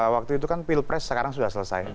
waktu itu kan pilpres sekarang sudah selesai